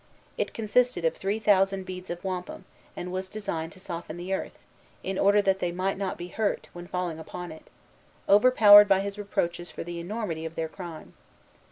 It consisted of three thousand beads of wampum, and was designed to soften the earth, in order that they might not be hurt, when falling upon it, overpowered by his reproaches for the enormity of their crime.